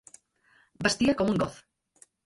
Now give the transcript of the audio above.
Vestia com un Goth.